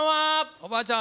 おばあちゃん